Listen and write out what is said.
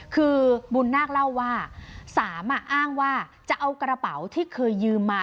คือบุญนาคเล่าว่าสามอ้างว่าจะเอากระเป๋าที่เคยยืมมา